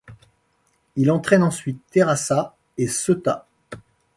Il entraîne ensuite Terrassa et Ceuta.